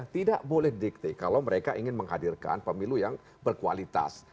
tidak boleh dikte kalau mereka ingin menghadirkan pemilu yang berkualitas